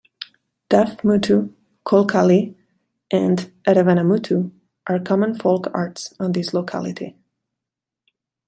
Duff Muttu, Kolkali and Aravanamuttu are common folk arts of this locality.